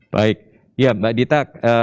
baik ya mbak dita